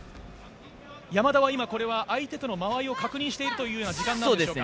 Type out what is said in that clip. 山田は今これは相手との間合いを確認しながらという時間でしょうか。